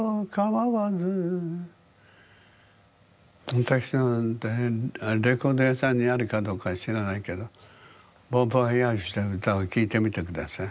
昔のレコード屋さんにあるかどうか知らないけど「ボン・ヴォワヤージュ」って歌を聴いてみて下さい。